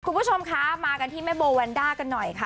คุณผู้ชมคะมากันที่แม่โบแวนด้ากันหน่อยค่ะ